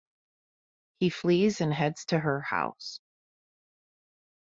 He flees and heads to her house.